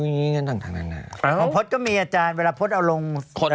ของพอสก็มีอาจารย์เวลาพอสเอาลง